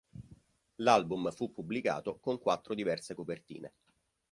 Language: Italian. L'album fu pubblicato con quattro diverse copertine.